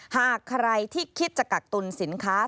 หากใครที่คิดจะกักตุลสินค้า